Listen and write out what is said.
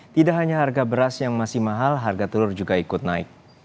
tidak hanya harga beras yang masih mahal harga telur juga ikut naik